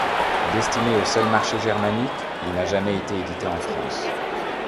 Destiné au seul marché germanique, il n’a jamais été édité en France.